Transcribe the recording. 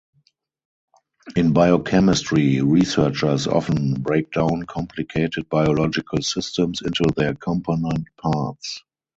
In biochemistry, researchers often break down complicated biological systems into their component parts.